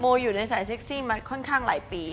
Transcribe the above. อยู่ในสายเซ็กซี่มาค่อนข้างหลายปี